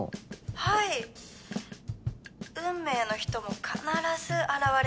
「はい運命の人も必ず現れますよ」